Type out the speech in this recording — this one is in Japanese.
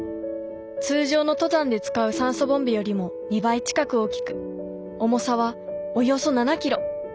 通常の登山で使う酸素ボンベよりも２倍近く大きく重さはおよそ７ｋｇ。